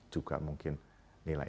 juga mungkin nilai